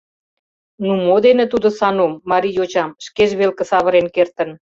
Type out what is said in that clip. Но мо дене тудо Санум — марий йочам — шкеж велке савырен кертын?